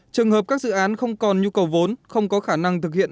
trường hợp các dự án không còn nhu cầu vốn không có khả năng thực hiện